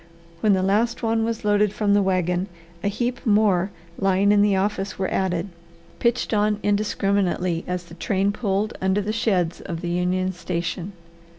When the last one was loaded from the wagon, a heap more lying in the office were added, pitched on indiscriminately as the train pulled under the sheds of the Union Station.